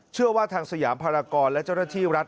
เชื่อว่าทางสยามภารกรและเจ้าหน้าที่รัฐ